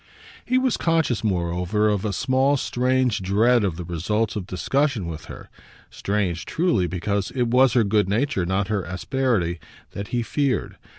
He was conscious moreover of a small strange dread of the results of discussion with her strange, truly, because it was her good nature, not her asperity, that he feared.